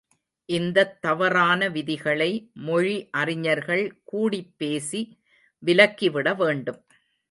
இந்தத் தவறான விதிகளை, மொழி அறிஞர்கள் கூடிப்பேசி விலக்கிவிட வேண்டும்.